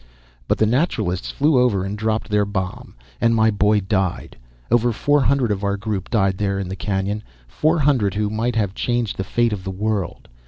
"But the Naturalists flew over and dropped their bomb, and my boy died. Over four hundred of our group died there in the canyon four hundred who might have changed the fate of the world.